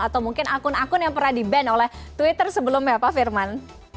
atau mungkin akun akun yang pernah di ban oleh twitter sebelumnya pak firman